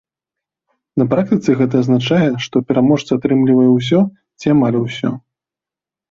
На практыцы гэта азначае, што пераможца атрымлівае ўсё ці амаль усё.